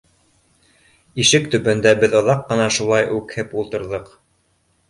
Ишек төбөндә беҙ оҙаҡ ҡына шулай үкһеп ултырҙыҡ.